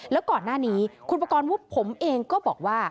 แล้วก่อนหน้านี้คุณประกอบวุฒิผมเองก็บอกว่า